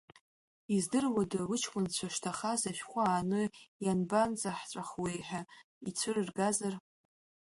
Издыруада лыҷкәынцәа шҭахаз ашәҟәы ааны, ианбанӡаҳцәахуеи ҳәа ицәырыргазар?!